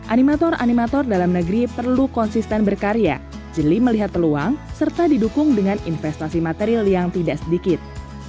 animator animator dalam negeri perlu konsisten berkarya jeli melihat peluang serta didukung dengan investasi material yang tidak sedikit